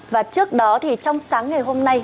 và trước đó trong sáng ngày hôm nay